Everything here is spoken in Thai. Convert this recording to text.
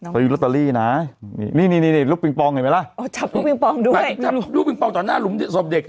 พอที่โลตอรี่นะนี่ลูกปริงปองเห็นไหมล่ะลูกปริงปองตอนหน้าหลุมสวบเด็ก